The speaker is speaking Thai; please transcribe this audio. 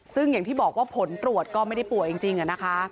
ซึ่งอย่างที่บอกว่าผลตรวจก็ไม่ได้ป่วยจริงนะคะ